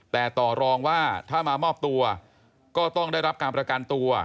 แต่ต่อรองว่าถ้ามามอบตัวก็ต้องได้รับการประกันตัว